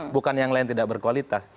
bukan yang lain tidak berkualitas